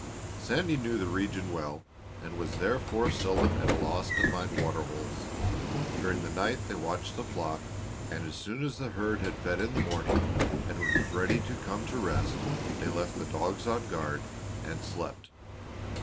Sandy knew the region well and was therefore seldom at a loss to find water holes. During the night they watched the flock, and as soon as the herd had fed in the morning and was ready to come to rest they left the dogs on guard and slept.